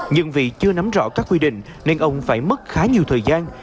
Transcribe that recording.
nhưng vì chưa nắm rõ các quy định nên ông phải mất khá nhiều thời gian